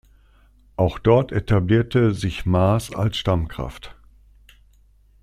Auch dort etablierte sich Maas als Stammkraft.